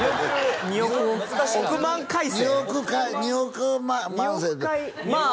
２億回２億万まあ